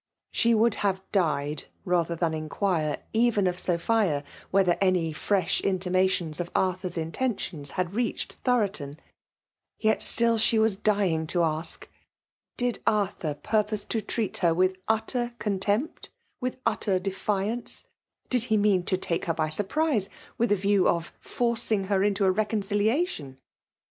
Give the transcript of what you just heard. She would have died rather than inquire, even of Sophia, whether any fresh intimations of Arthur's intentions had reached Thoroton ; yet still she was dying to ask. Did Arthur purpose to treat her with utter contempt, with utter defiance? —• Did he mean to take her by surprise, widi ^ view of forcing her into a reconciliation?